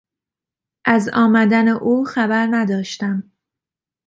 از آمدن او خبر نداشتم.